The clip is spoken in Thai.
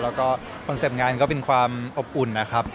แล้วก็คอนเซ็ปต์งานก็เป็นความอบอุ่นนะครับ